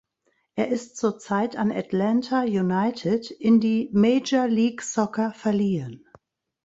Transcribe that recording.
Er ist zurzeit an Atlanta United in die Major League Soccer verliehen.